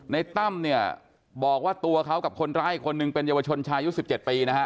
ในตั้มบอกว่าตัวเขากับคนร้ายคนหนึ่งเป็นเยาวชนชายุ๑๗ปี